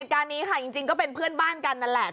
การนี้ค่ะจริงก็เป็นเพื่อนบ้านกันนั่นแหละ